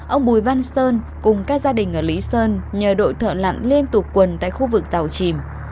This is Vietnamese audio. ông bùi văn sơn cùng các gia đình ở lý sơn nhờ đội thợ lặn liên tục quần tại khu vực tàu chìm